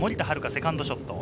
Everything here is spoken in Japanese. セカンドショット。